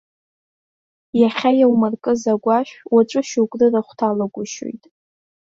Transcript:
Иахьа иаумыркыз агәашә, уаҵәы шьоук рырахә ҭалагәышьоит.